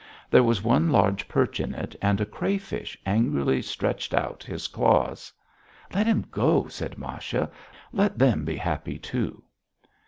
There was one large perch in it and a crayfish angrily stretched out his claws. "Let them go," said Masha. "Let them be happy too."